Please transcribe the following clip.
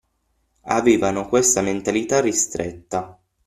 Avevano questa mentalità ristretta.